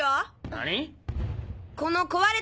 何！？